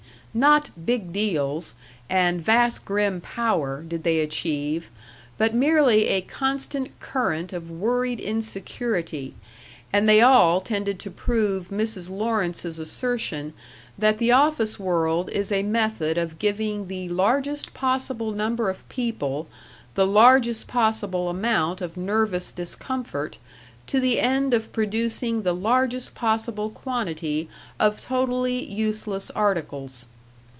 Not "big deals" and vast grim power did they achieve, but merely a constant current of worried insecurity, and they all tended to prove Mrs. Lawrence's assertion that the office world is a method of giving the largest possible number of people the largest possible amount of nervous discomfort, to the end of producing the largest possible quantity of totally useless articles....